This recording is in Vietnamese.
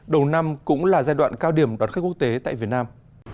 đầu năm cũng là giai đoạn cao điểm đón khách quốc tế tại việt nam